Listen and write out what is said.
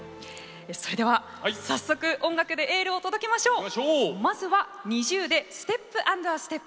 それでは早速、音楽でエールを届けましょう。